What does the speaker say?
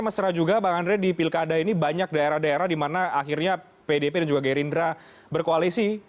mesra juga bang andre di pilkada ini banyak daerah daerah di mana akhirnya pdp dan juga gerindra berkoalisi